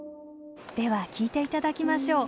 では聞いて頂きましょう。